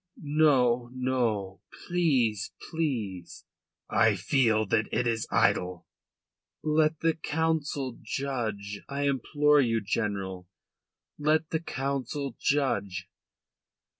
"No, no. Please, please." "I feel that it is idle." "Let the Council judge. I implore you, General, let the Council judge."